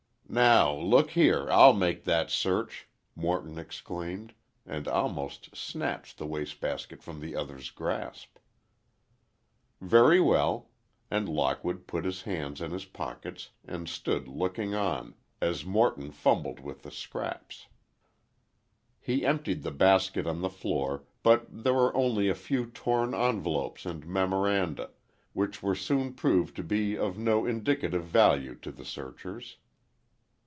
"Now, look here, I'll make that search," Morton exclaimed, and almost snatched the waste basket from the other's grasp. "Very well," and Lockwood put his hands in his pockets and stood looking on, as Morton fumbled with the scraps. He emptied the basket on the floor, but there were only a few torn envelopes and memoranda, which were soon proved to be of no indicative value to the searchers.